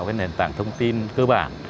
với nền tảng thông tin cơ bản